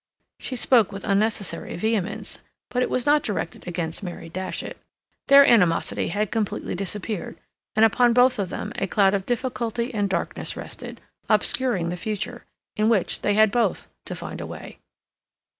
She spoke with unnecessary vehemence, but it was not directed against Mary Datchet. Their animosity had completely disappeared, and upon both of them a cloud of difficulty and darkness rested, obscuring the future, in which they had both to find a way.